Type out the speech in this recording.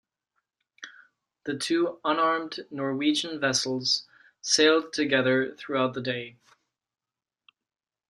The two unarmed Norwegian vessels sailed together throughout the day.